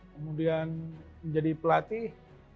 kemudian menjadi pelatih